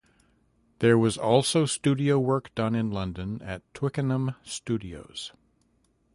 There was also studio work done in London at Twickenham Studios.